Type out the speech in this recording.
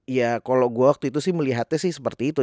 ya kalau gue waktu itu sih melihatnya sih seperti itu